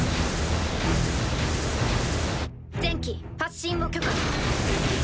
全機発進を許可。